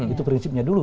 itu prinsipnya dulu